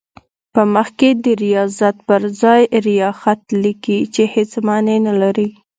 په مخ کې د ریاضت پر ځای ریاخت لیکي چې هېڅ معنی نه لري.